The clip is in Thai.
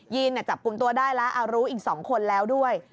ยีนอ่ะจับกลุ่มตัวได้แล้วอ่ารู้อีกสองคนแล้วด้วย